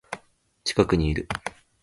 近くにいる